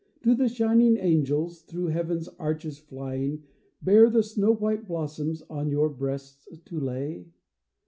Do the shining angels, through Heaven's arches flying. Bear the snow white blossoms on your breasts to lay